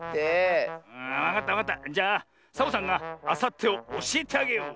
じゃあサボさんがあさってをおしえてあげよう。